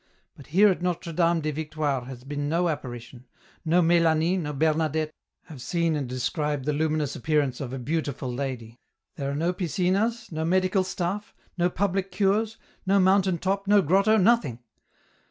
But here at Notre Dame des Victoires has been no apparition ; no Melanie, no Bernadette, have seen and described the luminous appearance of a * beautiful Lady.' There are no piscinas, no medical staff, no public cures, no mountain top, no grotto, nothing.